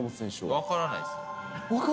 分からないです。